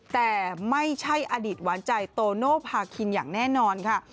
แต่ไม่ใช่อดีตหวานใจโตโนภาคินอย่างแน่นอนค่ะ